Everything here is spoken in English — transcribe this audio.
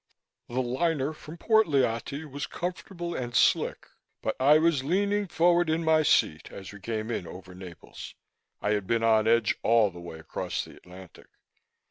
The liner from Port Lyautey was comfortable and slick, but I was leaning forward in my seat as we came in over Naples. I had been on edge all the way across the Atlantic.